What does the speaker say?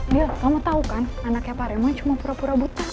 dia kamu tau kan anaknya pak remo cuma pura pura buta